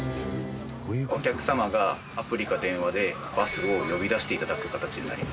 お客様がアプリか電話でバスを呼び出して頂く形になります。